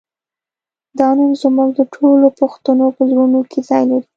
دا نوم زموږ د ټولو پښتنو په زړونو کې ځای لري